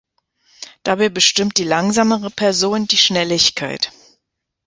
Dabei bestimmt die langsamere Person die Schnelligkeit.